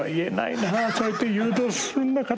そうやって誘導するんだからなぁ。